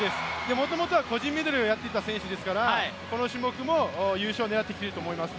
もともとは個人メドレーをやっていた選手ですから、この種目も優勝を狙ってきていると思います。